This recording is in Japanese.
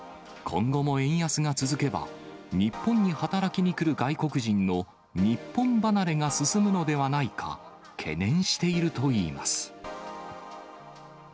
今後も円安が続けば、日本に働きに来る外国人の日本離れが進むのではないか、懸念しているといいます。